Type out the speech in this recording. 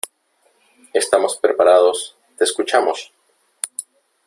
estamos preparados , te escuchamos .